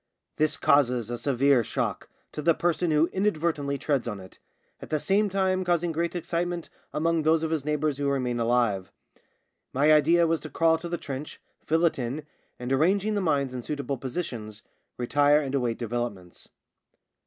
This causes a severe shock to the person who inadvertently treads on it, at the same time causing great excitement among those of his neighbours who remain alive. My idea was to crawl to the trench, fill it in, and, arranging the mines in suitable positions, retire and await developments.